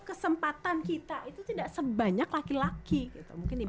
kesempatan kita itu tidak sebanyak laki laki gitu